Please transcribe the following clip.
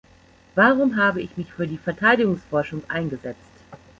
Warum habe ich mich für die Verteidigungsforschung eingesetzt?